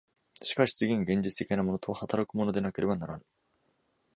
しかし次に現実的なものとは働くものでなければならぬ。